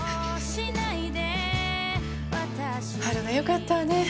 春菜よかったわね。